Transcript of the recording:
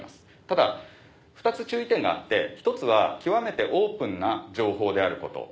ただ２つ注意点があって１つは「極めてオープンな情報」であること。